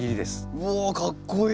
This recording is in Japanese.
うわかっこいい。